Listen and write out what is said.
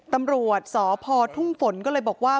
ตำรวจสพทุ่งฝนก็เลยบอกว่า